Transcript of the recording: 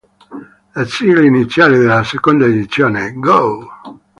La sigla iniziale della seconda edizione, "Go!!!